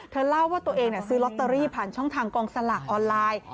เล่าว่าตัวเองซื้อลอตเตอรี่ผ่านช่องทางกองสลากออนไลน์